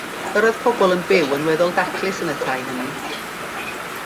Yr oedd pobl yn byw yn weddol daclus yn y tai hynny.